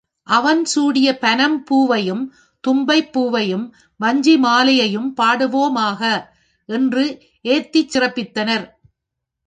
அவன் சூடிய பனம் பூவையும், தும்பைப் பூவையும், வஞ்சி மாலையையும் பாடுவோமாக! என்று ஏத்திச் சிறப்பித்தனர்.